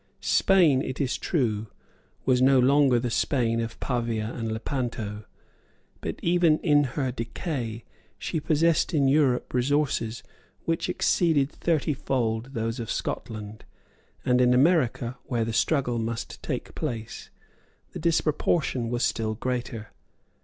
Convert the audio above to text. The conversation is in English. Spain, it is true, was no longer the Spain of Pavia and Lepanto. But, even in her decay, she possessed in Europe resources which exceeded thirty fold those of Scotland; and in America, where the struggle must take place, the disproportion was still greater.